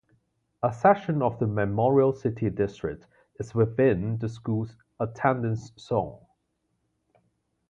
A section of the Memorial City district is within the school's attendance zone.